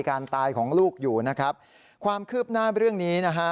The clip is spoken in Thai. การตายของลูกอยู่นะครับความคืบหน้าเรื่องนี้นะฮะ